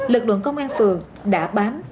lực lượng công an phường đã bám